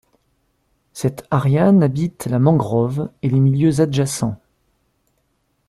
Cette Ariane habite la mangrove et les milieux adjacents.